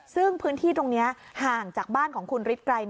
ซึ่งพื้นที่ตรงนี้ห่างจากบ้านของคุณฤทธิไกร